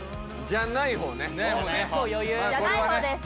じゃない方です。